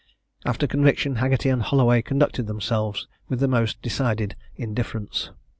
After conviction Haggerty and Holloway conducted themselves with the most decided indifference.